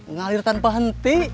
ngalir tanpa henti